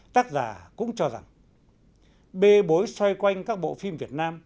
tác giả cũng cho rằng bê bối xoay quanh các bộ phim việt nam